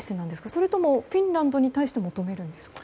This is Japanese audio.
それとも、フィンランドに対して求めるんですか？